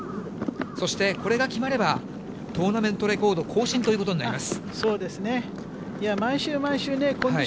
そしてこれが決まれば、トーナメントレコード更新ということになります。